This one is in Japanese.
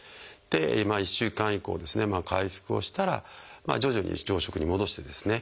１週間以降ですね回復をしたら徐々に常食に戻してですね。